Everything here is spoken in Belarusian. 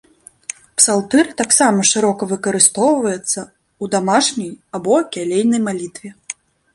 Псалтыр таксама шырока выкарыстоўваецца ў дамашняй або кялейнай малітве.